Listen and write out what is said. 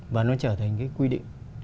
và nó trở thành cái quy định